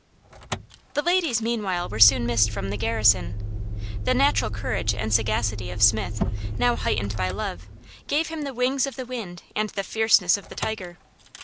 The ladies meanwhile were soon missed from the garrison. The natural courage and sagacity of Smith now heightened by love, gave him the wings of the wind and the fierceness of the tiger.